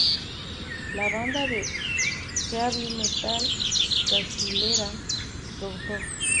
La banda de "heavy metal" brasilera Dr.